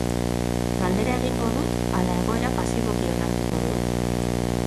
Galdera egingo dut ala egoera pasiboki onartuko dut?